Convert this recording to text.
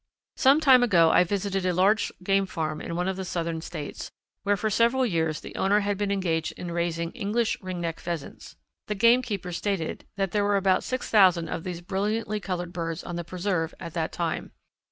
Some time ago I visited a large game farm in one of the Southern States, where for several years the owner had been engaged in raising English Ring necked Pheasants. The gamekeeper stated that there were about six thousand of these brilliantly coloured birds on the preserve at that time.